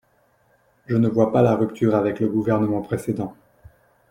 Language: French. Je ne vois pas la rupture avec le gouvernement précédent.